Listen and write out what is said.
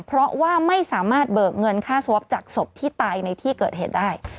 เพราะว่าไม่สามารถเบิกเงินค่าสวอปจากศพที่ตายในที่เกิดเหตุได้